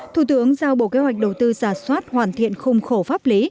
thủ tướng giao bộ kế hoạch đầu tư giả soát hoàn thiện khung khổ pháp lý